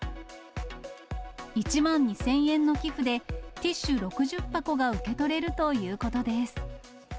１万２０００円の寄付で、ティッシュ６０箱が受け取れるということです。